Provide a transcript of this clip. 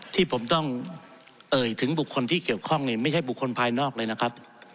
ที่ผมต้องเอ่ยถึงบุคคลที่เกี่ยวข้องนี่ไม่ใช่บุคคลภายนอกเลยนะครับ